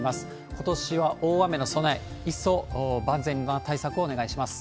ことしは大雨の備え、一層万全な対策をお願いします。